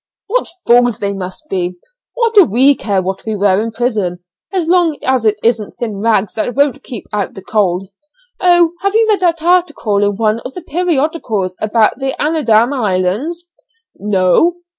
"What fools they must be; what do we care what we wear in prison, as long as it isn't thin rags that won't keep out the cold. Oh, have you read that article in one of the periodicals about the Andaman Islands?" "No."